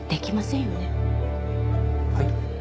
はい？